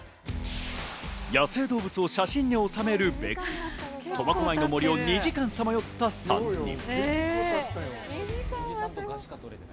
野生動物を写真に収めるべく、苫小牧の森を２時間さまよった３人。